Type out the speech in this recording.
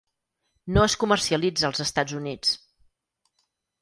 No es comercialitza als Estats Units.